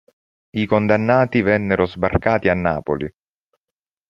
I condannati vennero sbarcati a Napoli.